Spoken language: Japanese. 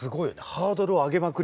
ハードルを上げまくり。